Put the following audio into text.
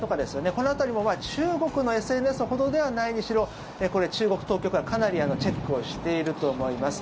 この辺りも中国のＳＮＳほどではないにしろこれ、中国当局はかなりチェックをしていると思います。